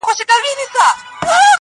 و غزل ته مي الهام سي ستا غزل غزل خبري،